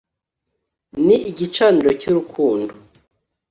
Ni igicaniro cy'urukundo